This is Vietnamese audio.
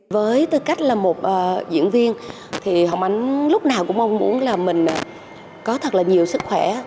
với tư cách là một diễn viên thì hồng ánh lúc nào cũng mong muốn là mình có thật là nhiều sức khỏe